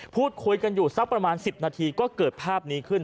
พูดคุยกันอยู่สักประมาณ๑๐นาทีก็เกิดภาพนี้ขึ้น